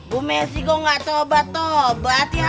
bu messi kok gak tobat tobat ya